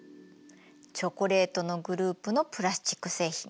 チョコレートのグループのプラスチック製品。